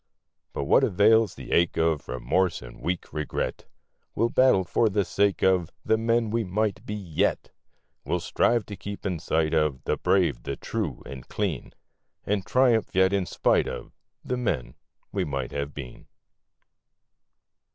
But what avails the ache of Remorse or weak regret? We'll battle for the sake of The men we might be yet! We'll strive to keep in sight of The brave, the true, and clean, And triumph yet in spite of The men we might have been.